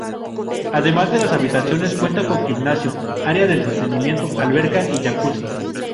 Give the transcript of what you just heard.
Ademas de las habitaciones, cuenta con gimnasio, área de entretenimiento, alberca y jacuzzi.